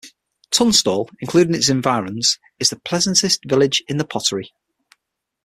Tunstall, including its environs, is the pleasantest village in the pottery.